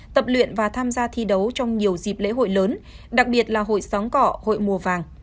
tập luyện và tham gia thi đấu trong nhiều dịp lễ hội lớn đặc biệt là hội sóng cọ hội mùa vàng